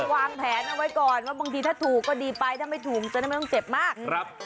วางแผนเอาไว้ก่อนว่าบางทีถ้าถูกก็ดีไปถ้าไม่ถูกจะได้ไม่ต้องเจ็บมาก